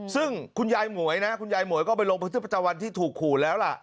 ซึ่งยายหมวยก็กลับไปลงพฤติปัจจาวันที่ถูกขู่แล้วล่ะ